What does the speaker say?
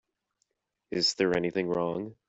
Is there anything wrong?